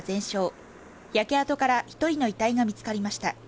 焼け跡から１人の遺体が見つかりました。